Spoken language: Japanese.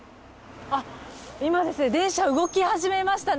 今、電車が動き始めました。